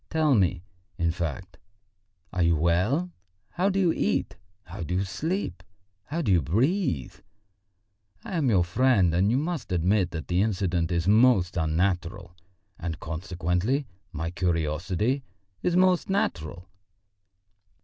Tell me, in fact, are you well? How do you eat, how do you sleep, how do you breathe? I am your friend, and you must admit that the incident is most unnatural, and consequently my curiosity is most natural."